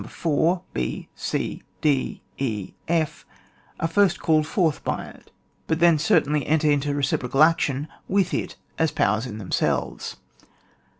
4, b c d e f, are first called forth by it, but L 146 ON WAR. then certainly enter into reciprocal action with it as powers in themselyes.